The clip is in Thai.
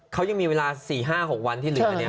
เขายังมีเวลา๔๕๖วันที่เหลือเนี่ย